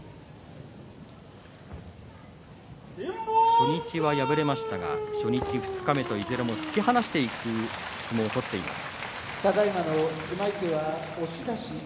初日は敗れましたが初日二日目といずれも突き放していく相撲を取っています。